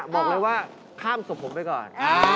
บอกเลยว่าข้ามศพผมไปก่อน